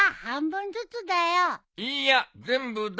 いいや全部だ！